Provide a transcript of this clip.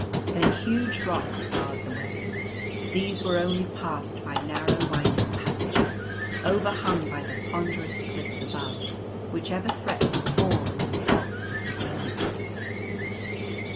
Then huge rocks barred the way. These were only passed by narrow, winding passages, overhung by the ponderous cliffs above, which ever threatened to fall and engulph the Sojourner.